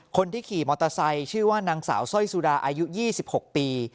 คนที่ขี่มอเตอร์ไซค์ชื่อว่านางสาวสร้อยสุดาอายุ๒๖ปี